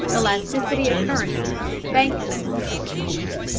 ELASTICITY OF CURRENCY (BANK NOTES).